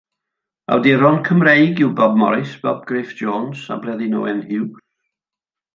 Awduron Cymreig yw Bob Morris, Bob Gruff Jones a Bleddyn Owen Huws.